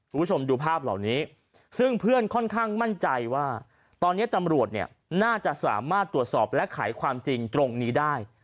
คุณผู้ชมดูภาพเหล่านี้ซึ่งเพื่อนค่อนข้างมั่นใจว่าตอนนี้ตำรวจเนี่ยน่าจะสามารถตรวจสอบและขายความจริงตรงนี้ได้